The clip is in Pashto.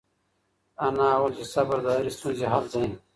انا وویل چې صبر د هرې ستونزې حل دی.